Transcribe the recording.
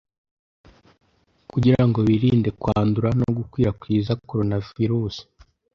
kugira ngo birinde kwandura no gukwirakwiza Coronavirus.